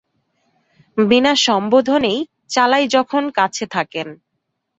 বিনা সম্বোধনেই চালাই যখন কাছে থাকেন।